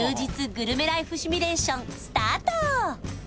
グルメライフシミュレーションスタート